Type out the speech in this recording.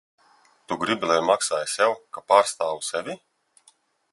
Tu gribi, lai maksāju sev, ka pārstāvu sevi?